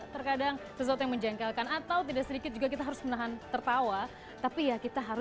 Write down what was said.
berkata kita melakukan dengan sangat baik